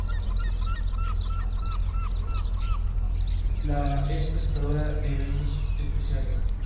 La posición de Beazley fue categorizada como.